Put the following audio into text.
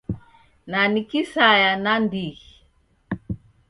Na ni kisaya nandighi.